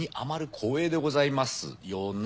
光栄でございますよな？